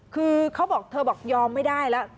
คือเธอบอกยอมไม่ได้แล้ว